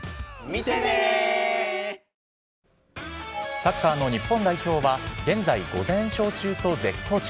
サッカーの日本代表は、現在５連勝中と絶好調。